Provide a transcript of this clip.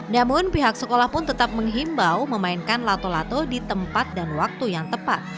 namun pihak sekolah pun tetap menghimbau memainkan lato lato di tempat dan waktu yang tepat